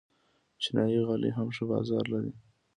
چینايي غالۍ هم ښه بازار لري.